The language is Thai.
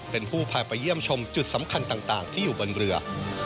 เป็นผู้พาไปเยี่ยมชมจุดสำคัญต่างที่อยู่บนเรือ